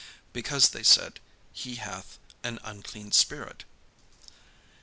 Because they said, "He hath an unclean spirit."